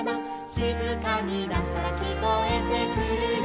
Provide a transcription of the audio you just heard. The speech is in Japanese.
「しずかになったらきこえてくるよ」